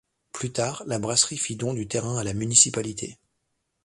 Plus tard, la brasserie fit don du terrain à la municipalité.